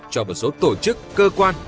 cho một số tổ chức cơ quan